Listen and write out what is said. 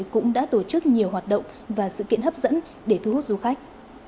hà nội cũng đã tổ chức nhiều hoạt động và sự kiện hấp dẫn để thu hút du khách